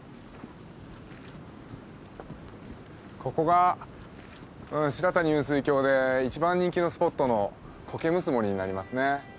ここが白谷雲水峡で一番人気のスポットの苔むす森になりますね。